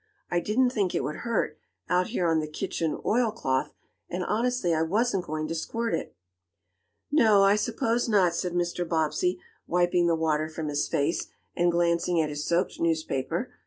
I didn't think it would hurt, out here on the kitchen oil cloth, and honestly I wasn't going to squirt it." "No, I suppose not," said Mr. Bobbsey, wiping the water from his face, and glancing at his soaked newspaper.